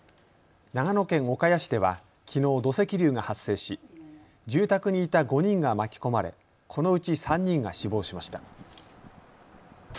長野県岡谷市では、きのう土石流が発生し住宅にいた５人が巻き込まれこのうち３人が死亡しました。